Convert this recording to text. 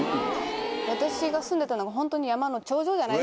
私が住んでたのがホントに山の頂上じゃないです。